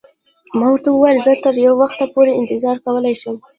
ما ورته وویل: زه تر یو وخته پورې انتظار کولای شم.